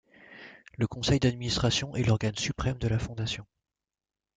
Le Conseil d’administration est l’organe suprême de la Fondation.